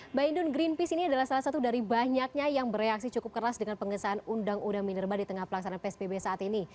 mbak hindun greenpeace ini adalah salah satu dari banyaknya yang bereaksi cukup keras dengan pengesahan undang undang minerba di tengah pelaksanaan psbb saat ini